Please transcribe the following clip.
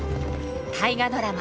大河ドラマ